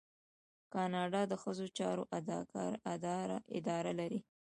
کاناډا د ښځو چارو اداره لري.